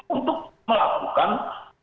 untuk melakukan tindakan tersebut